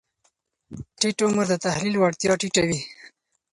ټیټ عمر د تحلیل وړتیا ټیټه وي.